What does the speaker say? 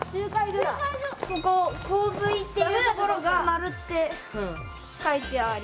ここ「洪水」っていうところが「○」って書いてある。